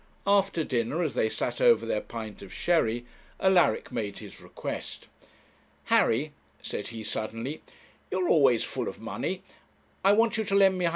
After dinner, as they sat over their pint of sherry, Alaric made his request. 'Harry,' said he, suddenly, 'you are always full of money I want you to lend me £150.'